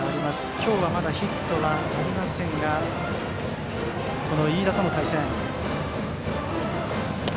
今日はまだヒットはありませんが飯田との対戦。